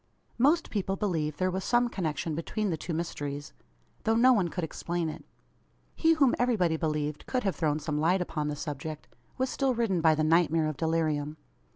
Most people believed there was some connection between the two mysteries; though no one could explain it. He, whom everybody believed, could have thrown some light upon the subject, was still ridden by the night mare of delirium.